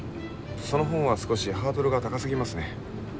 その本は少しハードルが高すぎますね。